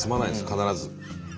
必ず。